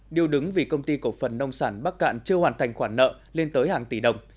điều đứng vì công ty cổ phần nông sản bắc cạn chưa hoàn thành khoản nợ lên tới hàng tỷ đồng